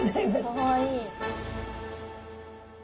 かわいい。